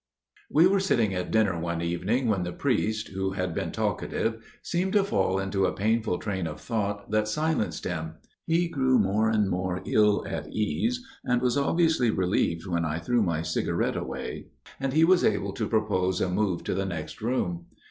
_ Poena Damni WE were sitting at dinner one evening when the priest, who had been talkative, seemed to fall into a painful train of thought that silenced him. He grew more and more ill at ease, and was obviously relieved when I threw my cigarette away and he was able to propose a move to the next room.